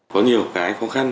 có nhiều cái khó khăn